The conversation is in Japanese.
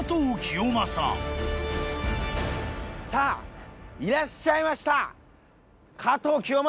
さあいらっしゃいました！